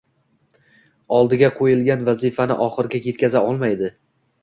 oldiga qo‘yilgan vazifani oxiriga yetkaza olmaydi